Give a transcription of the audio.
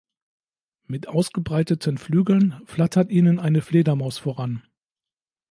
Mit ausgebreiteten Flügeln flattert ihnen eine Fledermaus voran.